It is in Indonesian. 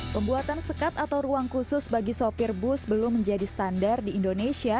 pembuatan sekat atau ruang khusus bagi sopir bus belum menjadi standar di indonesia